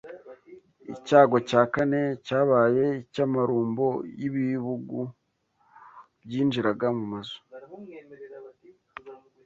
Icyago cya kane cyabaye icy’amarumbo y’ibibugu byinjiraga mu mazu